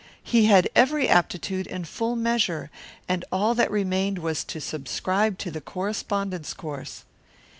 He had every aptitude in full measure, and all that remained was to subscribe to the correspondence course.